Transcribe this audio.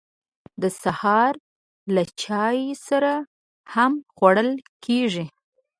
بادرنګ د سهار له چای سره هم خوړل کېږي.